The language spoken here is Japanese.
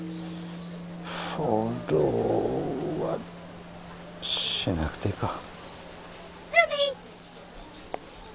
フォローはしなくていいか。